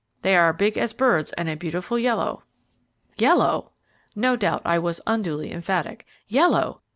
They are big as birds and a beautiful yellow." "Yellow!" No doubt I was unduly emphatic. "Yellow!